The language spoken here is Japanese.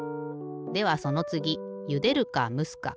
ではそのつぎゆでるかむすか。